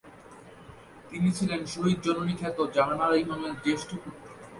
তিনি ছিলেন শহীদ জননী খ্যাত জাহানারা ইমামের জ্যেষ্ঠ পুত্র।